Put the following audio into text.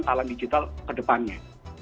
kebutuhan talent digital kedepannya